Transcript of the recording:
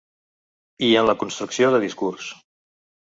I en la construcció de discurs.